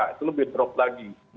itu lebih drop lagi